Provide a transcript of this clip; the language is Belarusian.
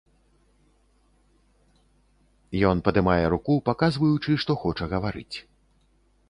Ён падымае руку, паказваючы, што хоча гаварыць.